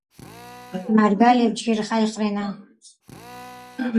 მარგალეფ ჯგირ ხალხ რენა.